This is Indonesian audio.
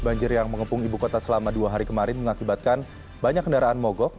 banjir yang mengepung ibu kota selama dua hari kemarin mengakibatkan banyak kendaraan mogok